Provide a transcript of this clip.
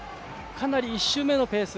かなり１周目のペース